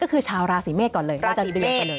ก็คือชาวราศีเมฆก่อนเลยราศีเมฆ